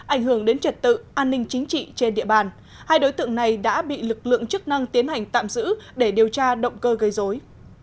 ảnh hưởng đến trật tự an ninh chính trị trên địa bàn hai đối tượng này đã bị lực lượng chức năng tiến hành tạm giữ để điều tra động cơ gây dối